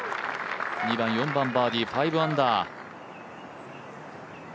２番、４番、バーディー、５アンダー。